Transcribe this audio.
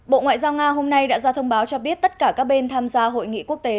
bộ ngoại giao nga hôm nay đã ra thông báo cho biết tất cả các bên tham gia hội nghị quốc tế